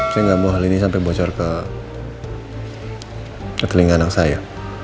saya nggak mau hal ini sampai bocor ke rekeling anak saya